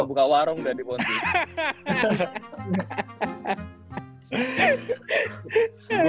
buka warung dari pontianak